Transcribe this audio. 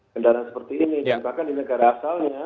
kendaraan seperti ini dan bahkan di negara asalnya